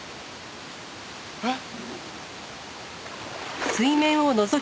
えっ？